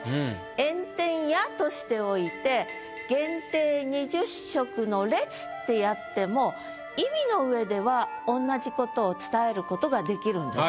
「炎天や」としておいて「限定二十食の列」ってやっても意味の上ではおんなじことを伝えることができるんです。